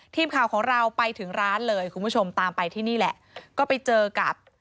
ทีมข่าวของเราไปถึงร้านเลยคุณผู้ชมตามไปที่นี่แหละก็ไปเจอกับ